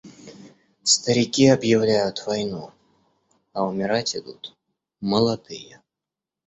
Старики объявляют войну, а умирать идут молодые.